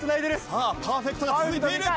さあパーフェクトが続いている。